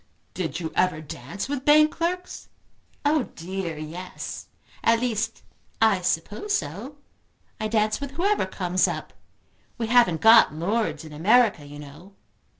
"Do you ever dance with bank clerks?" "Oh dear yes. At least I suppose so. I dance with whoever comes up. We haven't got lords in America, you know!"